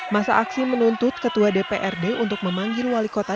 masa aksi menuntut ketua dprd untuk memanggil wali kota